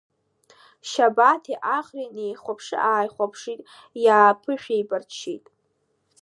Шьабаҭи Ахреи неихәаԥшы-ааихәаԥшит, иааԥышәеибарччеит.